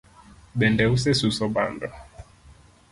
bende usesuso bando?